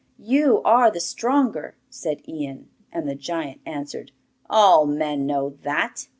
'You are the stronger,' said Ian; and the giant answered: 'All men know that!